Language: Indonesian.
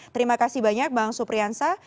terima kasih banyak bang supriyansa